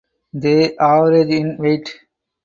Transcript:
They average in weight.